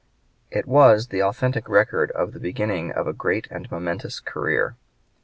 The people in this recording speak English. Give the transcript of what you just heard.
It was the authentic record of the beginning of a great and momentous career.